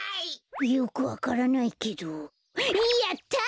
よくわからないけどやった！